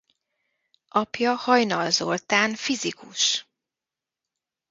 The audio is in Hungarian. Apja Hajnal Zoltán fizikus.